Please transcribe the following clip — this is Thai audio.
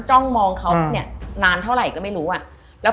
จ้อมองเขานานเท่าไหร่ก็ไม่รู้อะ